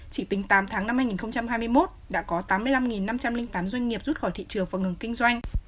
chỉ tính tám tháng năm hai nghìn hai mươi một đã có tám mươi năm năm trăm linh tám doanh nghiệp rút khỏi thị trường và ngừng kinh doanh